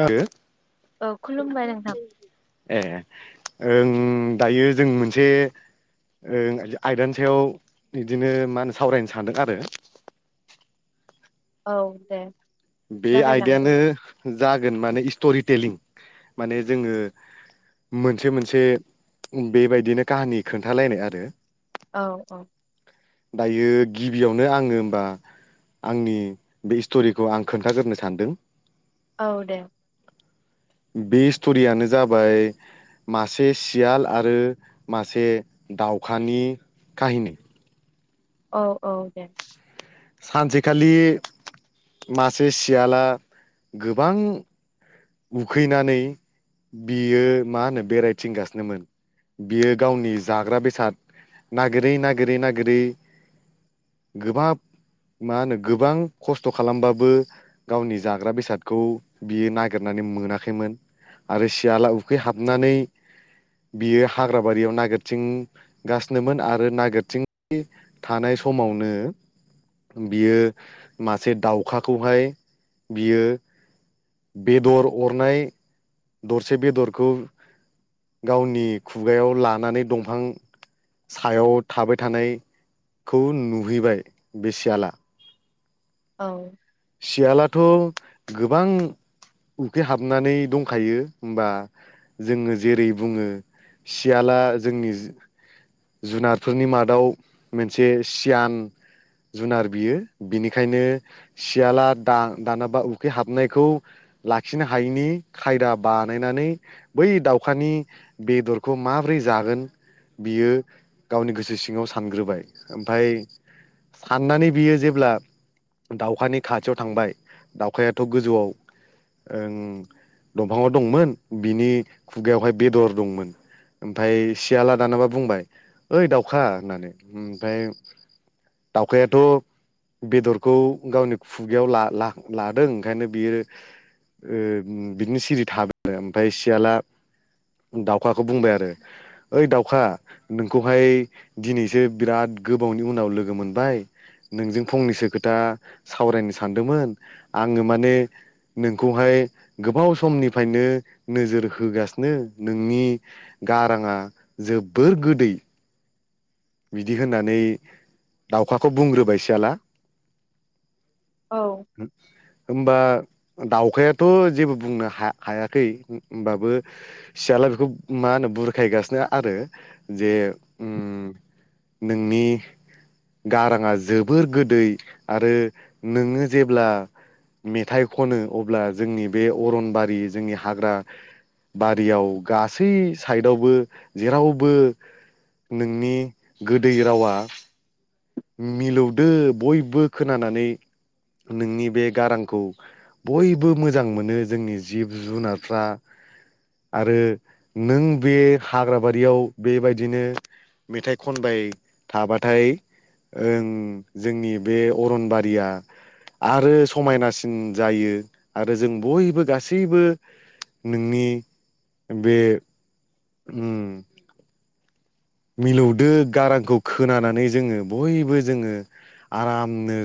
आरो औ खुलुमबाय नोंथां ए ओं दायो जों मोनसे ओ आयदानि सायाव बिदिनो मा होनो सावरायनो सानदों आरो [inaudible] औ दे बे जागायलांदो आयदायानो जागोन माने स्टरि टेलिं माने जोङो मोनसे मोनसे बेबायदिनो काहानि खोन्थालायनाय आरो औ औ दायो गिबियावनो आङो होमबा [inaudible] औ दे बे स्ट'रियानो जाबाय मासे सियाल आरो मासे दावखानि काहिनि औ औ दे सानसेखालि मासे सियाला गोबां उखैनानै बियो मा होनो बेरायथिंगासिनोमोन बियो गावनि जाग्रा बेसाद नागिरै नागिरै नागिरै गोबाब मा होनो गोबां खस्थ' खालामबाबो गावनि जाग्रा बेसादखौ बियो नागिर नागिरनानै मोनाखैमोन आरो सियाला उखै हाबनानै बियो हाग्राबारियाव नागिरथिंगासिनोमोन आरो नागिरथिं थानाय समावनो बियो मासे दाउखाखौहाय बियो बेदर अरनाय दरसे बेदरखौ गावनि खुगायाव लानानै दंफां सायाव थाबाय थानायखौ नुहैबाय बे सियाला औ सियालाथ' गोबां उखैहाबनानै दंखायो होमबा जोङो जेरै बुङो सियाला जोंनि जुनारफोरनि मादाव मोनसे सियान जुनार बियो बिनिखायनो सियाला दा दानाबा उखै हाबनायखौ लाखिनो हायिनि खायदा बानायनानै नै बै दाउखानि बेदरखौ माबोरै जागोन बियो गावनि गोसो सिङाव सानग्रोबाय ओमफय साननानै बियो जेब्ला दाउ दउखानि खाथियाव थांबाय दाउखायाथ' गोजौआव ओं दंफाङाव दंमोन बिनि खुगायावहाय बेदर दंमोन ओमफ्राय सियाला दानाबा बुंबाय ओइ दाउखा होननानै ओमफ्राय दाउखायाथ' बेदरखौ गावनि खुगायाव ला-ला-लादों ओंखायनो बियो ओ बिदिनो सिरि थाबाय आरो ओमफ्राय सियाला दाउखाखौ बुंबाय आरो ओइ दाउखा नोंखौहाय दिनैसो बिराद गोबावनि उनाव लोगो मोनबाय नोंजों फंनैसो खोथा सावरायनो सानदोंमोन आङो माने नोंखौहाय गोबाव समनिफ्रायनो नोजोर होगासिनो नोंनि गाराङा जोबोर गोदै बिदि होननानै दाउखाखौ बुंग्रोबाय सियाला [inaudible] औ होनबा दाउखायाथ' जेबो बुंनो हा हायाखै होमबाबो सियाला बेखौ मा होनो बुरखायगासिनो आरो जे उम नोंनि गाराङा जोबोर गोदै आरो नोङो जेब्ला मेथाइ खनो अब्ला जोंनि बे अरनबारि जोंनि हाग्रा बारियाव गासै साइदआवबो जेरावबो नोंनि गोदै रावा मिलौदो बयबो खोनानानै नोंनि बे गारांखौ बयबो मोजां मोनो जोंनि जिब जुनारफ्रा आरो नों बे हाग्राबारियाव बेबायदिनो मेथाइ खनबाय थाबाथाय ओं जोंनि बे अरनबारिया आरो समायनासिन जायो आरो जों बयबो गासैबो नोंनि बे उम मिलौदो गारांखौ खोनानानै जोङो बयबो जोङो आरामनो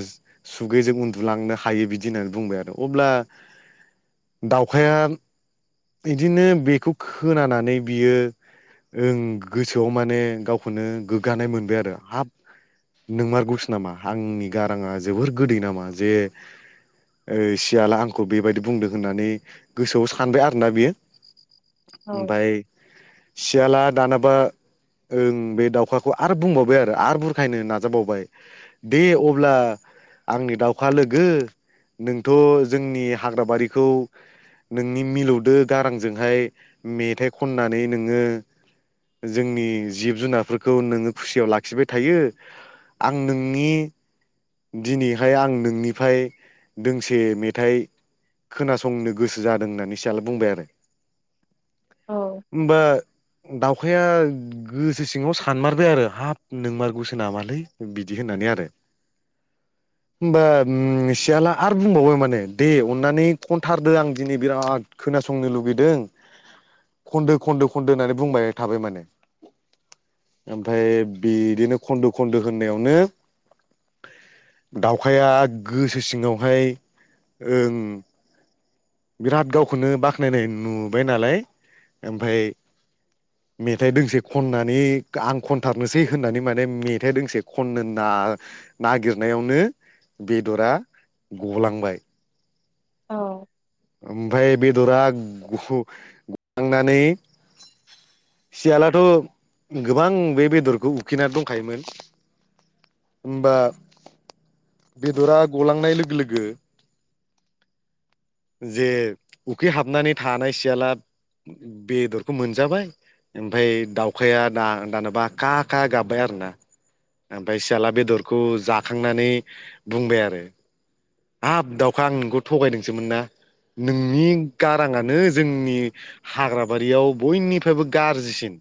सुगैजों उन्दुलांनो हायो बिदि होननानै बुंबाय आरो अब्ला दाउखाया बिदिनो बेखौ खोनानानै बियो ओं गोसोआव माने गावखौनो गोग्गानाय मोनबाय आरो हाब नों मारगौसो नामा? आंनि गाराङा जोबोर गोदै नामा जे ओ सियाला आंखौ बेबायदि बुंदों होननानै गोसोआव सानबाय आं बियो ओमफ्राय सियाला दानाबा ओं बे दाउखाखौ आरो बुंबावबाय आरो आरो बुरखायनो नाजाबावबाय दे अब्ला आंनि दाउखा लोगो नोंथ' जोंनि हाग्राबारिखौ नोंनि मिलौ दो गारांजोंहाय मेथाइ खननानै नोङो जोंनि जिब जुनारफोरखौ नोङो खुसियाव लाखिबाय थायो आं नोंनि दिनैहाय आं नोंनिफ्राय दोंसे मेथाइ खोनासंनो गोसो जादों होननानै बुंबाय आरो औ होमबा दाउखाया गोसो सिङाव सानमारबाय आरो हाफ नोंमारगौसो नामालै बिदि होननानै आरो [inaudible] होमबा सियाला आरो बुंबावबाय माने दे अननानै खनथारदो आं दिनै बिराद खोनासंनो लुगैदों खनदो खनदो होननानै बुंबाय थाबाय माने ओमफ्राय बिदिनो खन्द' खन्द' होननायावनो दाउखाया गोसो सिङावहाय ओं बिराद गावखौनो बाख्नायनाय नुबाय नालाय ओमफाय मेथाइ दोंसे खननानै आं खनथारनोसै होननानै माने मेथाइ दोंसे खननो होनना नागिरनायावनो बेदरा गलांबाय औ ओमफ्राय बेदरा गलांनानै सियालाथ' गोबां बे बेदरखौ उखैनानै दंखायोमोन? होनबा बेदरा गलांनाय लोगो लोगो जे उखै हाबनानै थानाय सियाला बेदरखौ मोनजाबाय ओमफ्राय दाउखाया दा दानाबा गा गा गाब्बाय आरोना ओमफ्राय सियाला बेदरखौ जाखांनानै बुंबाय आरो हाब दाउखा आं नोंखौ थगायदोंसोमोन ना नोंनि गाराङानो जोंनि हाग्राबारियाव बयनिफ्रायबो गाज्रिसिन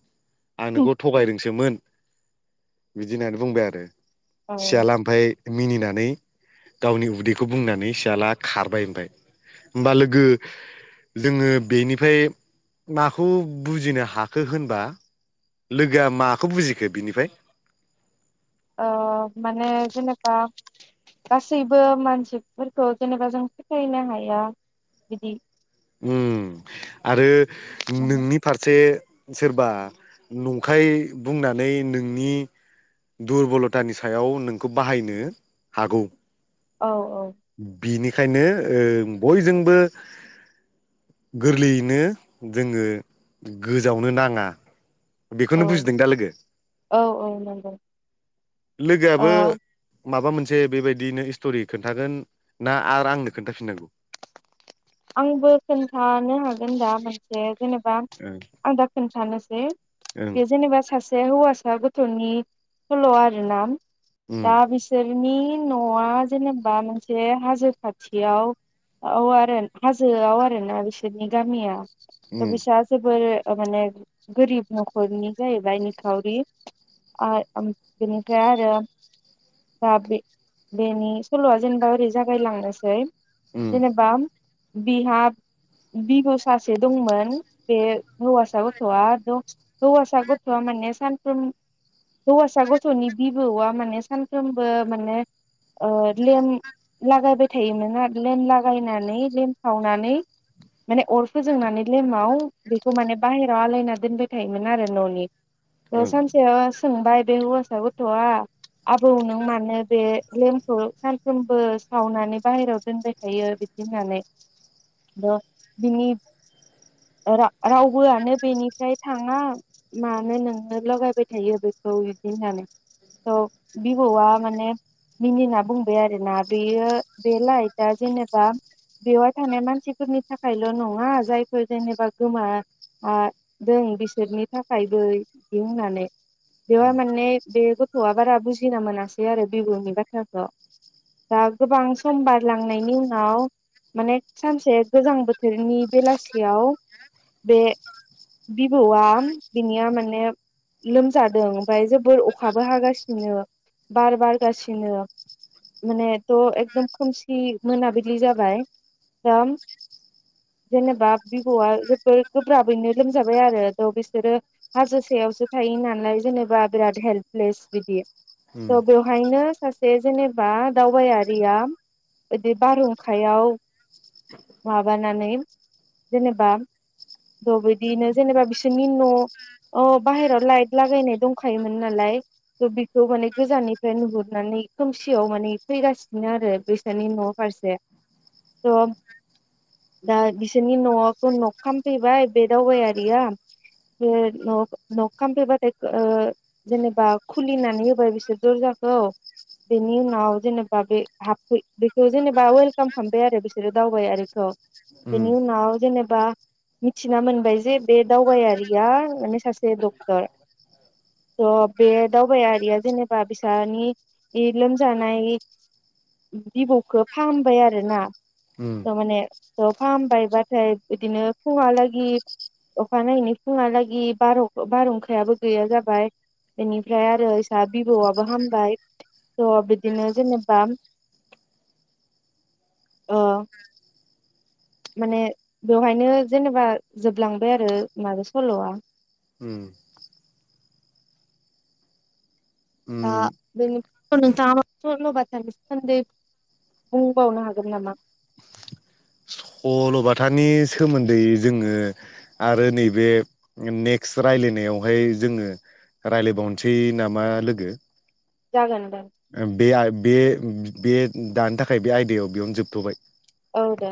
आं नोंखौ थगायदोंसोमोन? बिदि होननानै बुंबाय आरो औ सियाला ओमफ्राय मिनिनानै गावनि उदैखौ बुंनानै सियाला खारबाय ओमफाय होमबा लोगो जोङो बेनिफ्राय माखौ बुजिनो हाखो होनबा? लोगोआ माखौ बुजिखो बिनिफ्राय? ओ माने जेनेबा। गासैबो मानसिफोरखौ जेनेबा जों फोथायनो हाया बिदि! आरो माने नोंनि फारसे सोरबा नंखाय बुंनानै नोंनि दुरबलथानि सायाव नोंखौ बाहायनो हागौ। औ औ। बिनिखायनो ओ बयजोंबो गोरलैयैनो जोङो गोजावनो नाङा। बेखौनो औ बुजिदों दा लोगो औ औ नंगौ ओ लोगोआबो माबा मोनसे बेबायदिनो स्ट'रि खोन्थागोन ना? आरो आंनो खोन्थाफिननांगौ? आंबो खोन्थानो हागोन दा मोनसे जेनेबा ओं आंदा खोन्थानोसै ओं बे जेनेबा सासे हौवासा गथ'नि सल' आरो ना उम दा बिसोर नोंनि न'आ जेनेबा मोनसे हाजो खाथियाव औ आरो हाजोआव आरोना बिसोरनि गामिया उम बिसा जोबोर अ माने गोरिब न'खरनि जाहैबाय निखावरि आ ओम बिनिफ्राय आरो दा बे बेनि सल'आ जेनेबा ओरै जागायलांनोसै उम जेनेबा बिहाब बिब सासे दंमोन बे हौवासा गथ'आ द हौवासा गथ'आ माने सानफ्रोम हौवासा गथ'नि बिबौआ माने सानफ्रोमबो माने ओ लेम लागायबाय थायोमोना लेम लागायनानै लेमसावनानै माने अर फोजोंनानै लेमाव बेखौ माने बाहेरआव आलायना दोनबाय थायोमोन आरो न'नि ओ ओं सानसे ओ सोंबाय बे हौवासा गथ'आ आबौ नों मानो बे लेम्पखौ सानफ्रोमबो सावनानै बाहेराआव दोनबाय थायो दि होननानै अ बिनि रा रावबोआनो बेनिफ्राय थाङा मानो नोंनो लगायबाय थायो बेखौ खौ बिबदि होननानै थ बिबौआ माने मिनि ना बुंबाय आरोना बेयो बे लाइटआ जेनेबा बेवहाय थानाय मानसिफोरनि थाखायल' नङा जायफोर जेनेबा गोमा आ जों आं बिसोरनि थाखायबो बिदि होननानै बेवहाय माने बे गथ'आ बारा बुजिना मोनासै आरो बिब'नि बाथ्राखौ दा गोबां सम बारलांनायनि उनाव माने सानसे गोजां बोथोरनि बेलासियाव बे बिबौआ बिनिया माने लोमजादों ओमफ्राय जोबोर अखाबो हागासिनो बार बारगासिनो मानेथ' एकदम खोमसि मोनाबिलि जाबाय ओम [inaudible] जेनेबा बिबौ'आ जबोद गोब्राबैनो लोमजाबाय आरो थ' बिसोरो हाजोसेयावसो थायो इ नालाय जेनेबा बिराद हेल्पलेस बिदि उम उम त' बेवहायनो सासे जेनेबा दावबायारिया इदि बा बो आखायाव माबानानै जेनेबा थ' बिदिनो जेनेबा बिसोरनि न' अ बाहेरायाव लाइट लागायनाय दंखायोमोन नालाय थ' बेखौ माने गोजाननिफ्राय नुहुरनानै खोमसियाव माने फैगासिनो आरो बिसोरनि न' फारसे द' दा बिसोरनि न'आखौ न'खफैबाय बे दावबायारिया बे न न' खामफैबाथाय ओ जेनेबा खुलिनानै होबाय बिसोर दरजाखो खौ बेनि उनाव जेनेबा बे हाब फै बेखौ जेनेबा व खालाम खामबाय आरो बिसोरो दावबायारिखौ बेनि उनाव जेनेबा बा मिथिना मोनबाय जे बे दावबायारिया माने सासे डक्टर थ' बे दावबायारिया जेनेबा बिसानि दि लोमजानाय बिबौखौ फाहामबाय आरोना उम थामाने अ फाहामबायबाथाय बिदिनो फुंहालागि अखानायैनि फुंहालागि बारहु-बारहुंखायाबो गैया जाबाय बेनिफ्राय आरो इसा बिब'आबो हामबाय अ बिदिनो जेनेबा [inaudible] अ माने बेवहायनो जेनेबा जोबलांबाय आरो माबा सल'आ उम दा उम [unintelligible] बुंबावनो हागोन नामा [inaudible] सल'बाथानि सोमोन्दै जोङो आरो नैबे नेक्स राय लायनायावहाय जोङो रायलायबावनोसै नामा लोगो। जागोन दे। ओम बे आय बे बे दानि थाखाय बे आयदायाव बेयावनो जोबथ'बाय। औ दे।